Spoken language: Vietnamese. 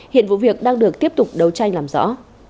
hiện vụ việc đang được tiếp tục đấu tranh làm rõ